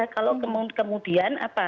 kalau kemudian apa